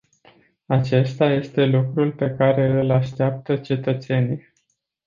Acesta este lucrul pe care îl așteaptă cetățenii.